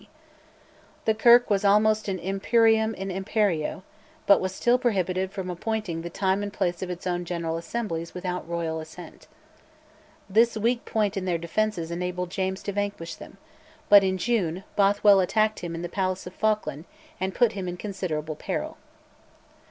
The Kirk was almost an imperium in imperio, but was still prohibited from appointing the time and place of its own General Assemblies without Royal assent. This weak point in their defences enabled James to vanquish them, but, in June, Bothwell attacked him in the Palace of Falkland and put him in considerable peril.